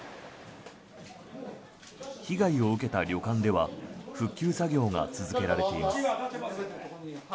被害を受けた旅館では復旧作業が続けられています。